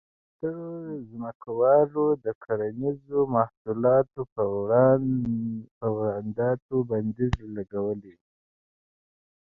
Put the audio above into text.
سترو ځمکوالو د کرنیزو محصولاتو پر وارداتو بندیز لګولی و.